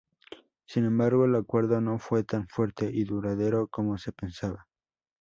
Sin embargo, el acuerdo no fue tan fuerte y duradero como se pensaba.